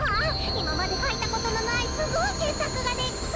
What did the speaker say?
いままでかいたことのないすごいけっさくができそう！